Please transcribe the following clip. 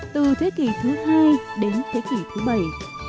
từ thế kỷ thứ hai đến thế kỷ thứ bảy